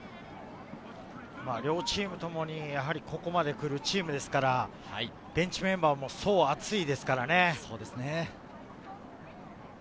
両チームともにここまで来るチームですから、ベンチメンバーも層が厚いですからね。